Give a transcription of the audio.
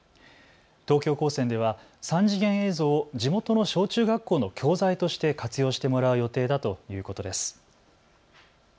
東京高専では３次元映像を地元の小中学校の教材として活用してもらう予定だということです。